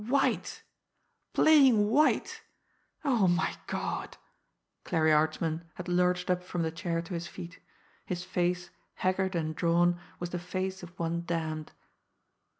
"White! Playing white! Oh, my God!" Clarie Archman had lurched up from the chair to his feet. His face, haggard and drawn, was the face of one damned.